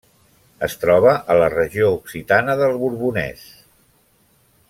Es troba a la regió occitana del Borbonès.